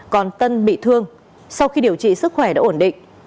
còn tân bị thương sau khi điều trị sức khỏe đã ổn định